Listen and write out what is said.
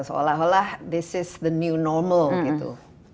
seolah olah ini adalah normal baru gitu